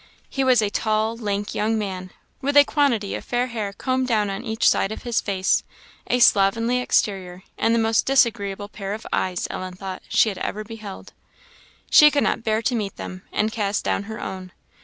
He was a tall, lank young man, with a quantity of fair hair combed down on each side of his face, a slovenly exterior, and the most disagreeable pair of eyes, Ellen thought, she had ever beheld. She could not bear to meet them, and cast down her own.